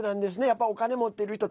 やっぱお金持っている人